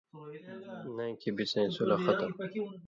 نَیں کھیں بڅَیں صُلح ختُم؛